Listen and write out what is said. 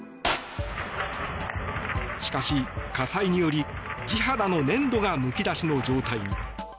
しかし、火災により地肌の粘土がむき出しの状態に。